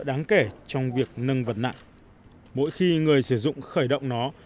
đáng kể trong việc nâng vật nặng mỗi khi người sử dụng khởi động nó